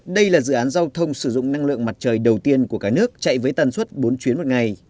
đây là dự án giao thông sử dụng năng lượng mặt trời đầu tiên của cả nước chạy với tần suất bốn chuyến một ngày